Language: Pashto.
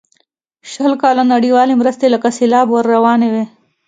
شل کاله نړیوالې مرستې لکه سیلاب ور روانې وې.